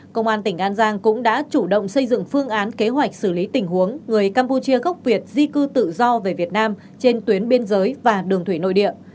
công an tỉnh an giang cũng đã chủ động xây dựng phương án kế hoạch xử lý tình huống người campuchia gốc việt di cư tự do về việt nam trên tuyến biên giới và đường thủy nội địa